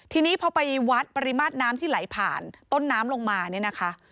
ทีนี้พอไปวัดปริมาณน้ำที่ไหลผ่านต้นน้ำลงมาเนี่ยนะคะ